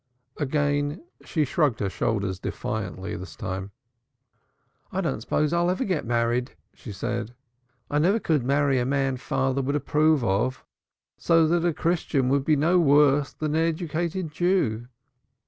Again she shrugged her shoulders, defiantly this time. "I don't suppose I shall ever get married," she said. "I never could marry a man father would approve of, so that a Christian would be no worse than an educated Jew."